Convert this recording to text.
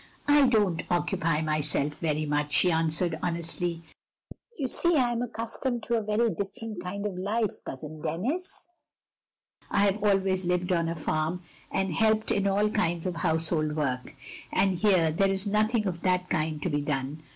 "I don't occupy myself very much," she answered, honestly. "You see I am accustomed to a very different kind of life. Cousin Denis. I have always lived on a farm, and helped in all kinds of household work ; and here there is nothing of that kind to be done.